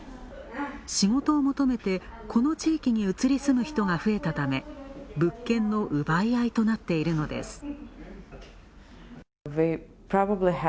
仕事を求めて、この地域に移り住む人が増えたため、物件の奪い合いとなっているのです。